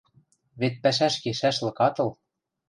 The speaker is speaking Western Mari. Вет пӓшӓш кешӓшлык ат ыл.